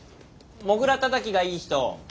「もぐら叩き」がいい人。